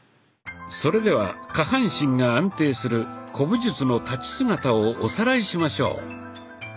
それでは下半身が安定する古武術の立ち姿をおさらいしましょう。